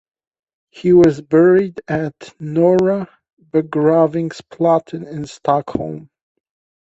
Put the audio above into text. He was buried at Norra begravningsplatsen in Stockholm.